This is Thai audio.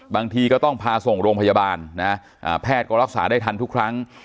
บางทีก็ต้องพาส่งโรงพยาบาลนะแพทย์ก็รักษาได้ทันทุกครั้ง